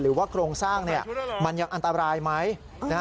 หรือว่าโครงสร้างมันยังอันตรายไหม